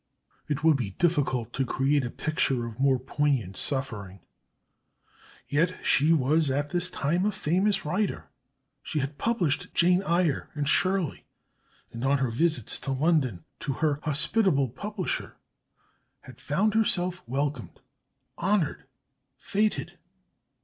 It would be difficult to create a picture of more poignant suffering; yet she was at this time a famous writer. She had published Jane Eyre and Shirley, and on her visits to London, to her hospitable publisher, had found herself welcomed, honoured, feted.